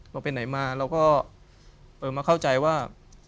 เราก็มาเข้าใจว่า